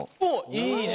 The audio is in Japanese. いいね。